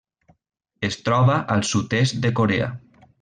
Es troba al sud-est de Corea.